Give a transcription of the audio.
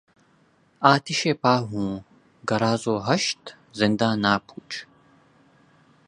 آتشیں پا ہوں گداز وحشت زنداں نہ پوچھ